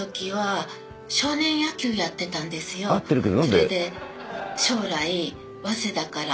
それで。